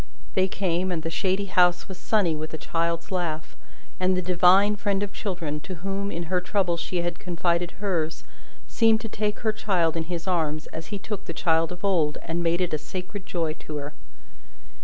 They came, and the shady house was sunny with a child's laugh, and the Divine friend of children, to whom in her trouble she had confided hers, seemed to take her child in his arms, as He took the child of old, and made it a sacred joy to her.